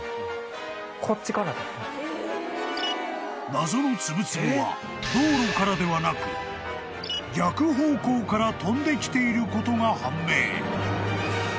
［謎のツブツブは道路からではなく逆方向から飛んできていることが判明］